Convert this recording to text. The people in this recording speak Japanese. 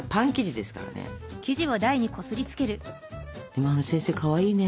でもあの先生かわいいね。